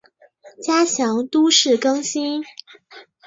加强都市更新